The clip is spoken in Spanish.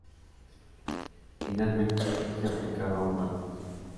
Finalmente se aplicaba un barniz.